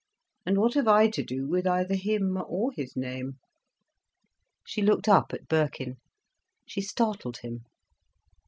—and what have I to do with either him or his name?" She looked up at Birkin. She startled him.